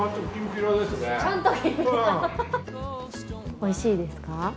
おいしいですか？